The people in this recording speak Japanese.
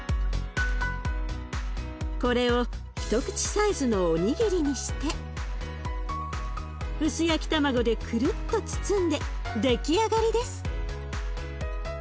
これを一口サイズのおにぎりにして薄焼き卵でくるっと包んで出来上がりです。